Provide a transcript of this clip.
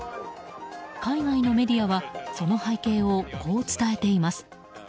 海外のメディアはその背景をこう伝えています。